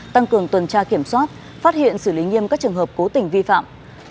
tăng cường tuần tra kiểm soát phát hiện xử lý nghiêm các trường hợp cố tình vi phạm